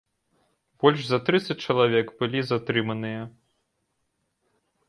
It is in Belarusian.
Больш за трыццаць чалавек былі затрыманыя.